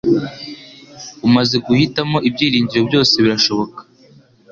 Umaze guhitamo ibyiringiro, byose birashoboka.